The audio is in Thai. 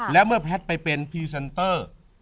และเมื่อแพทย์ไปเป็นพรีเซนเตอร์